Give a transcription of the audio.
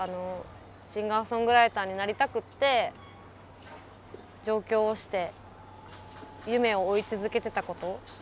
シンガーソングライターになりたくって上京して夢を追い続けていたこと。